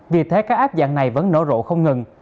vì thế các app dạng này vẫn nổ rộ không ngừng